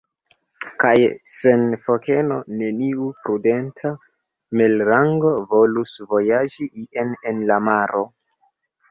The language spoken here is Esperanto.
Kaj sen fokeno neniu prudenta merlango volus vojaĝi ien en la maro.